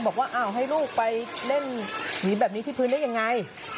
บอกว่าอ้าวให้ลูกไปเล่นหวีแบบนี้ที่พื้นได้ยังไง